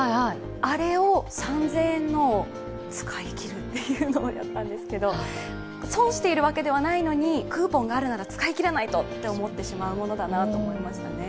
あれを３０００円のを使い切るというのをやったんですけど、損しているわけではないのにクーポンがあるから使い切らないとって思っちゃうんですね。